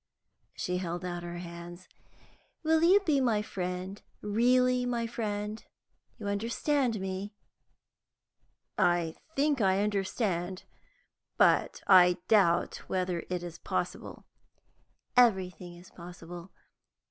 She held out her hands. "Will you be my friend, really my friend? You understand me?" "I think I understand, but I doubt whether it is possible." "Everything is possible.